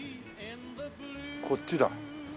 こっちだ。